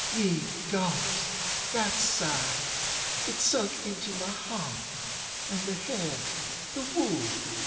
Ye GodsŌĆöthat sigh! It sunk into my heart. And the hairŌĆöthe wool!